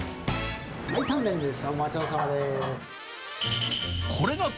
タンメンです。